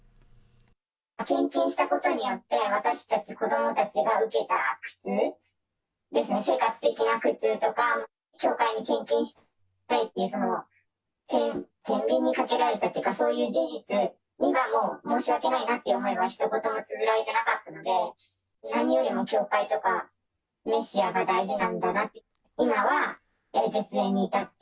献金したことによって、私たち子どもたちが受けた苦痛ですね、生活的な苦痛とか、教会に献金したいっていう、そのてんびんにかけられたっていうか、そういう事実にはもう、申し訳ないなっていう思いはひと言もつづられてなかったので、何よりも教会とか、メシアが大事なんだなって。